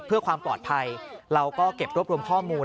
เพื่อความปลอดภัยเราก็เก็บรวบรวมข้อมูล